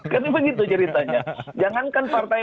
jadi begitu ceritanya jangankan partai